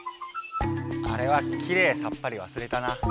あれはきれいさっぱりわすれたな。